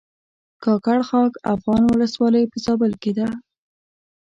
کاکړ خاک افغان ولسوالۍ په زابل کښې ده